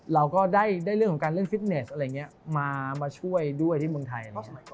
เราก็ได้เรื่องของการเล่นฟิตเนสอะไรอย่างนี้มาช่วยด้วยที่เมืองไทย